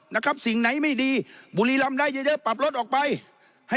นะครับสิ่งไหนไม่ดีบุรีรำได้เยอะเยอะปรับลดออกไปให้